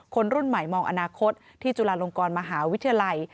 คนรุ่นใหม่มองอนาคตที่จุฬาลงกรมหาวิทยาลัย